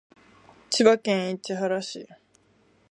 千葉県市原市